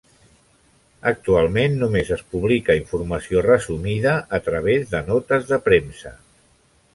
Actualment només es publica informació resumida a través de notes de premsa.